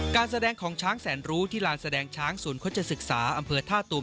การแสดงของช้างแสนรู้ที่ลานแสดงช้างศูนย์โฆษศึกษาอำเภอท่าตูม